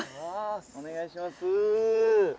お願いします。